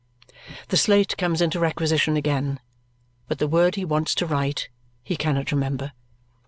The slate comes into requisition again, but the word he wants to write he cannot remember.